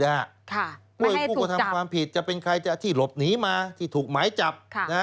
ผู้กระทำความผิดจะเป็นใครที่หลบหนีมาที่ถูกหมายจับ